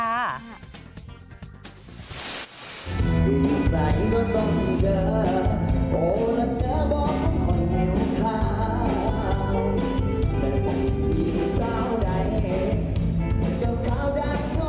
เอาจากพ่อมือแม่